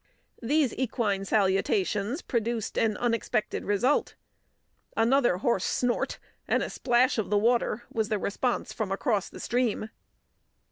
These equine salutations produced an unexpected result. Another hoarse snort and a splash of the water was the response from across the stream.